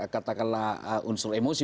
katakanlah unsur emosi